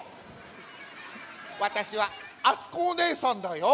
わたしはあつこおねえさんだよ。